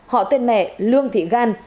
họ tên mẹ lương thị gan